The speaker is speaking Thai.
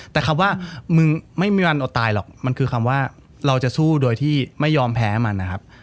แต่คำว่ามึงไม่มีวันเอาตายหรอกมันคือคำว่าเราจะสู้โดยที่ไม่ยอมแพ้มันนะครับ